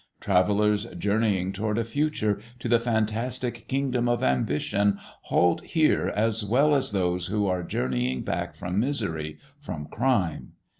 Travellers journeying toward a future, to the fantastic kingdom of ambition, halt here as well as those who are journeying back from misery, from crime.